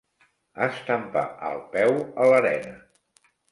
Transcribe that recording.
Estampar el peu a l'arena.